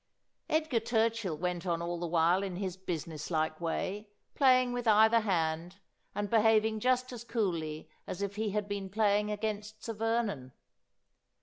Edgar Turchill went on all the while in his business like way, playing with either hand, and behaving just as coolly as if he had been playing against Sir Vernon.